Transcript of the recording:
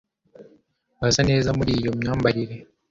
wasa neza muri iyo myambarire